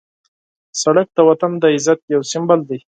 سړک د وطن د عزت یو سمبول دی.